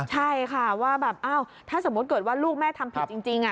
ใช่ค่ะว่าแบบถ้าสมมุติเกิดว่าลูกแม่ทำผิดจริง